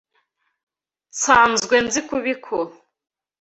Nsanzwe nzi kubikora.